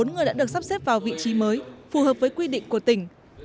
bốn người đã được sắp xếp vào vị trí mới phù hợp với quy định của tỉnh